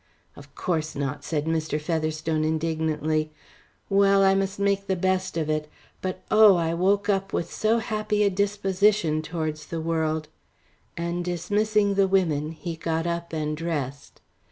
"Of course not," said Mr. Featherstone indignantly. "Well, I must make the best of it, but oh! I woke up with so happy a disposition towards the world;" and dismissing the women he got up and dressed.